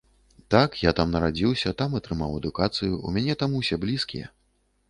Так, я там нарадзіўся, там атрымаў адукацыю, у мяне там усе блізкія.